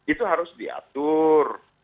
itu harus diatur